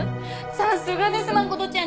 さすがです真ちゃん！